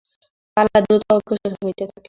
পালা দ্রুত অগ্রসর হইতে থাকে।